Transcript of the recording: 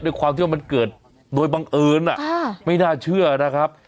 ด้วยความที่ว่ามันเกิดโดยบังเอิญไม่น่าเชื่อนะครับ